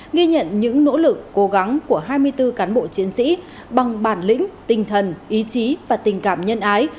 ghi nhận những nỗ lực cố gắng của hai mươi bốn cán bộ chiến sĩ bằng bản lĩnh tinh thần ý chí và tình cảm nhân ái